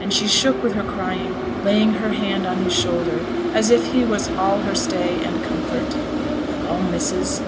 and she shook with her crying, laying her head on his shoulder, as if he was all her stay and comfort. 'Come, missus!